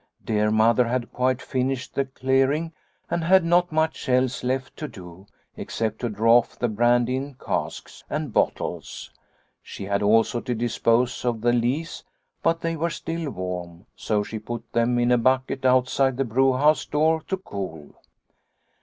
Dear Mother had quite finished the clearing and had not much else left to do, except to draw off the brandy in casks and bottles. She had also to dispose of the lees, but they were still warm, so she put them in a bucket outside the brewhouse door to cool.